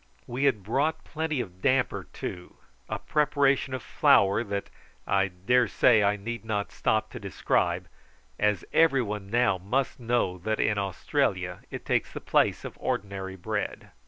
We had brought plenty of damper too, a preparation of flour that, I dare say, I need not stop to describe, as every one now must know that in Australia it takes the place of ordinary bread.